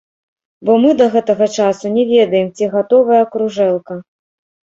Бо мы да гэтага часу не ведаем, ці гатовая кружэлка.